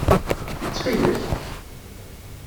Ttxil-k!